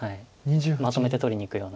まとめて取りにいくような。